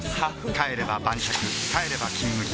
帰れば晩酌帰れば「金麦」